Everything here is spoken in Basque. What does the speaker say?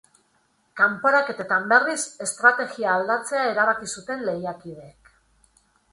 Kanporaketetan, berriz, estrategia aldatzea erabaki zuten lehiakideek.